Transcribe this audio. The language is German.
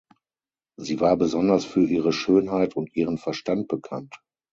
Sie war besonders für ihre Schönheit und ihren Verstand bekannt.